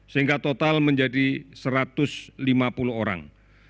sehingga total menjadi satu ratus lima puluh orang